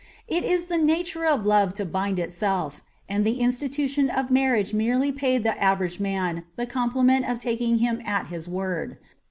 It is the nature of lore to bind itself, and the institution of marriage merely paid the aTerage man the rompKmgit of taking him at his word.